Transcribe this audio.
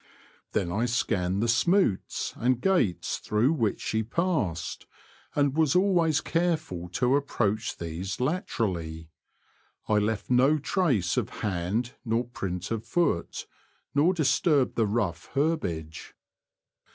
Then I scanned the '' smoots " and gates through which she passed, and was always careful to approach these laterally. I left no trace of hand nor print of foot, nor disturbed the rough herbage.